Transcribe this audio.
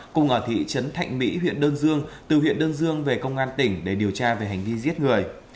cùng ở thị trấn thạnh mỹ huyện đơn dương từ huyện đơn dương về công an tỉnh để điều tra về hành vi giết người